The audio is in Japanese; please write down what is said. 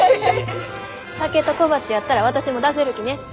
酒と小鉢やったら私も出せるきね。